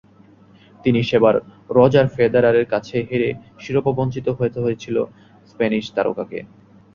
কিন্তু সেবার রজার ফেদেরারের কাছে হেরে শিরোপাবঞ্চিত হতে হয়েছিল স্প্যানিশ তারকাকে।